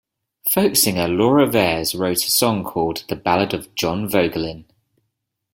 Folk singer Laura Veirs wrote a song called "The Ballad of John Vogelin".